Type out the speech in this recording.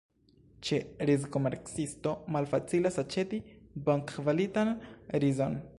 Ĉe rizkomercisto malfacilas aĉeti bonkvalitan rizon.